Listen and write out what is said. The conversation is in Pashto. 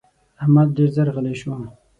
احمد ډېر ژر غلی شو.